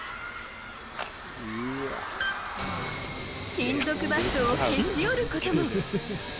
金属バットをへし折ることも。